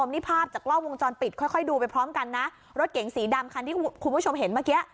นี่ภาพจากกล้องวงจรปิดค่อยดูไปพร้อมกันนะรถเก๋งสีดำคันที่คุณผู้ชมเห็นเมื่อกี้